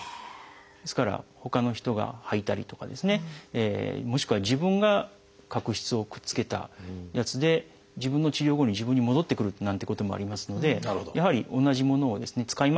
ですからほかの人がはいたりとかもしくは自分が角質をくっつけたやつで自分の治療後に自分に戻ってくるなんてこともありますのでやはり同じものを使い回すのはもちろん駄目ですし。